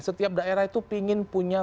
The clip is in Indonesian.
setiap daerah itu ingin punya